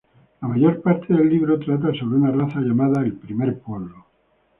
La mayor parte del libro trata sobre una raza llamada el Primer Pueblo.